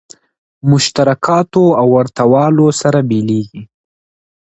مشترکاتو او ورته والو سره بېلېږي.